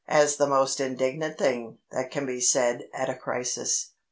as the most indignant thing that can be said at a crisis.